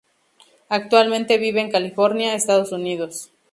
Actualmente vive en California, Estados Unidos.